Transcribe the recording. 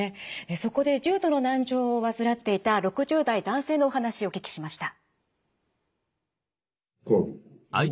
そこで重度の難聴を患っていた６０代男性のお話お聞きしました。